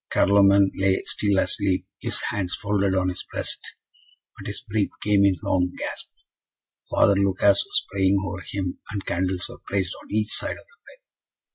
Carloman lay still asleep, his hands folded on his breast, but his breath came in long gasps. Father Lucas was praying over him, and candles were placed on each side of the bed.